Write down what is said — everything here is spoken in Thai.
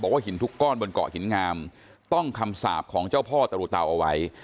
ว่าหินทุกก้อนบนเกาะหินงามต้องคำสาปของเจ้าพ่อตรุเตาเอาไว้